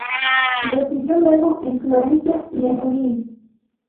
Residió luego en Florencia y en Turín.